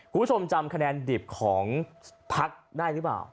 คุณผู้ชมจำคะแนนดิบของพักได้หรือเปล่า